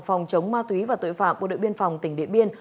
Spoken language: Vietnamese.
phòng chống ma túy và tội phạm bộ đội biên phòng tỉnh điện biên